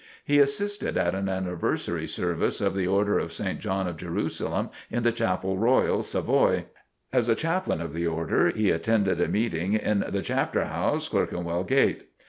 He assisted at an anniversary service of the Order of St. John of Jerusalem, in the Chapel Royal, Savoy. As a Chaplain of the Order, he attended a meeting in the Chapter House, Clerkenwell Gate.